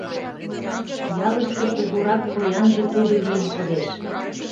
Ялыште кугурак поянже тудо лийын кодеш.